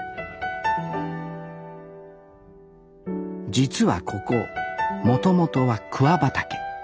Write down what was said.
実はここもともとは桑畑。